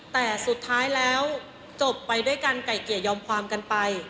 แต่สุดท้ายแล้วจบไปด้วยกันไก่เกลี่ยยอมความกันไป